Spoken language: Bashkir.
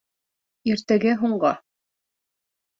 Иртәгә һуңға